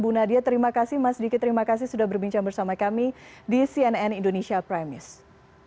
bu nadia terima kasih mas diki terima kasih sudah berbincang bersama kami di cnn indonesia prime news